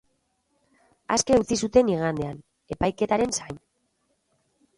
Aske utzi zuten igandean, epaiketaren zain.